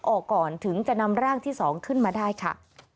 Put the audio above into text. ออกก่อนถึงจะนำร่างที่๒ขึ้นมาได้ค่ะ